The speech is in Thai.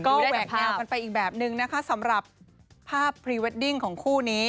ก็แหวกแนวกันไปอีกแบบนึงนะคะสำหรับภาพพรีเวดดิ้งของคู่นี้